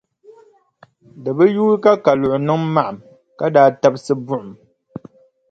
Di bi yuui ka Kaluɣi niŋ maɣim ka daa tabisi buɣum.